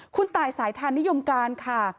คุณตายสายทานนิยมการค่ะ